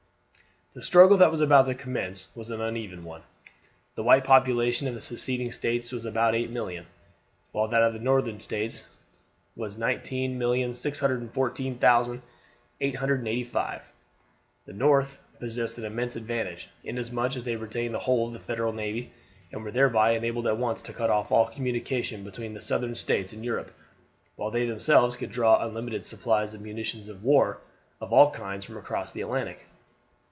The struggle that was about to commence was an uneven one. The white population of the Seceding States was about 8,000,000; while that the Northern States were 19,614,885. The North possessed an immense advantage, inasmuch as they retained the whole of the Federal navy, and were thereby enabled at once to cut off all communication between the Southern States and Europe, while they themselves could draw unlimited supplies of munitions of war of all kinds from across the Atlantic.